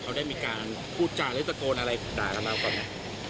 เขาได้มีการพูดจ่ายแล้วสะโกนอะไรด่าแล้วมาก่อนเนี่ย